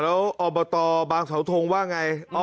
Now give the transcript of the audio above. แล้วอบตบางสาวทงว่าไง